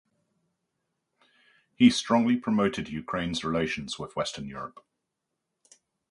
He strongly promoted Ukraine's relations with Western Europe.